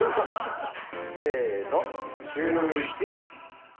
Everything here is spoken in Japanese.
せーの、シューイチ。